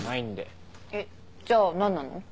えっじゃあ何なの？